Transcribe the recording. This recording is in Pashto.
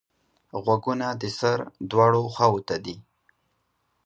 غوږونه د سر دواړو خواوو ته دي